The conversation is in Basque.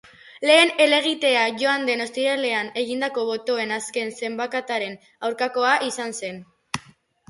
Lehen helegitea joan den ostiralean egindako botoen azken zenbaketaren aurkakoa izan zen.